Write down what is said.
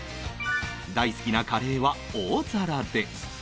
大好きなカレーは大皿で